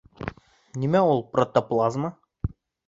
— Нимә ул протоплазма?